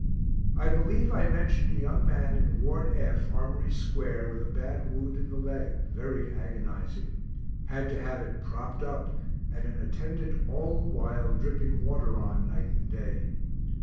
I believe I mentioned a young man in Ward F, Armory square, with a bad wound in the leg, very agonizing had to have it propt up, and an attendant all the while dripping water on night and day.